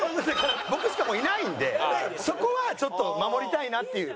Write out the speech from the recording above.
僕しかもういないんでそこはちょっと守りたいなっていう。